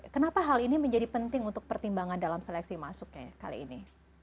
kenapa hal ini menjadi penting untuk pertimbangan dalam seleksi masuknya kali ini